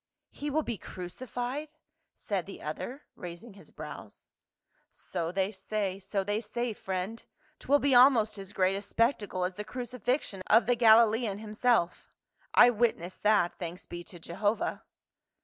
"He will be crucified?" said the other, raising his brows. " So they say, so they say, friend ; 'twill be almost as great a spectacle as the crucifixion of the Galilean himself I witnessed that, thanks be to Jehovah."